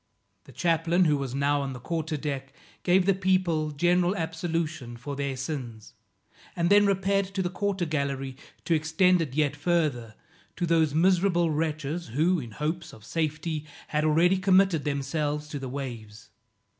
The chaplain, who was now on the quarter deck, gave the people general absolution for their sins, and then repaired to the quarter gallery to extend it yet further, to those miserable wretches, who, in hopes of safety, had already committed themselves to the waves.